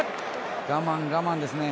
我慢、我慢ですね。